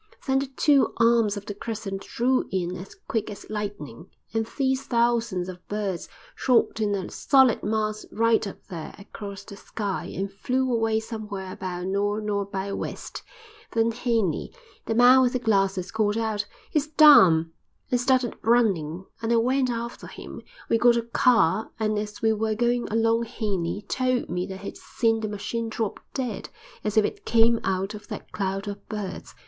Then the two arms of the crescent drew in as quick as lightning, and these thousands of birds shot in a solid mass right up there across the sky, and flew away somewhere about nor' nor' by west. Then Henley, the man with the glasses, called out, 'He's down!' and started running, and I went after him. We got a car and as we were going along Henley told me that he'd seen the machine drop dead, as if it came out of that cloud of birds.